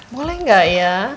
boleh gak ya